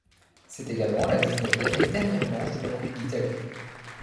C'est également la dix-neuvième et dernière manche de la Coupe d'Italie.